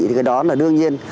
thì cái đó là đương nhiên